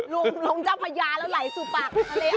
ร่องเจ้าพยาแล้วไหล่สู่ปากทะเลอ่วไทย